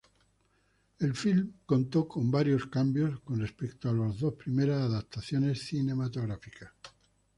El filme contó con varios cambios con respecto a las dos primeras adaptaciones cinematográficas.